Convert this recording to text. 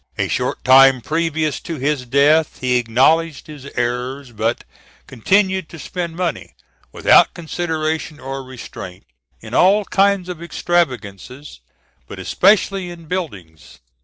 A short time previous to his death he acknowledged his errors, but continued to spend money, without consideration or restraint, in all kinds of extravagances, but especially in buildings.